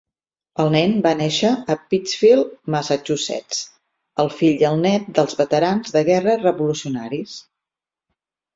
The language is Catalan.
El nen va néixer a Pittsfield, Massachusetts, el fill i el net dels veterans de guerra revolucionaris.